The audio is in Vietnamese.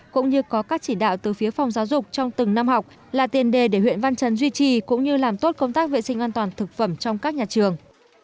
cũng như có các chỉ đạo từ phía phòng giáo dục trong từng năm học là tiền đề để huyện văn chấn duy trì cũng như làm tốt công tác vệ sinh an toàn thực phẩm trong các nhà trường